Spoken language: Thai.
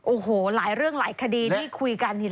โอ้โหหลายเรื่องหลายคดีที่คุยกัน